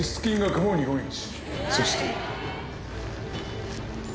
そして。